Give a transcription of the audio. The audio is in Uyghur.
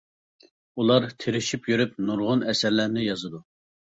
ئۇلار تىرىشىپ يۈرۈپ نۇرغۇن ئەسەرلەرنى يازىدۇ.